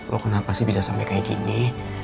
loh kenapa sih bisa sampai kayak gini